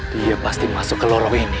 dia pasti masuk ke lorong ini